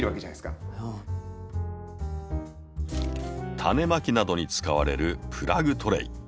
タネまきなどに使われるプラグトレイ。